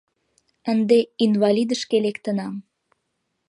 Ынде инвалидышке лектынам.